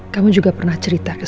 kamu juga pernah cerita